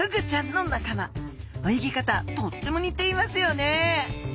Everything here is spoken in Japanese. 泳ぎ方とってもにていますよねえ。